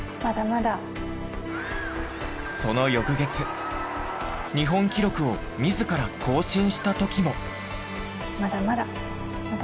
その翌月日本記録を自ら更新した時も。